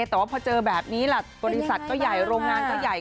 แต่ว่าพอเจอแบบนี้แหละบริษัทก็ใหญ่โรงงานก็ใหญ่